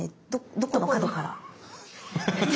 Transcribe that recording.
どこの角から？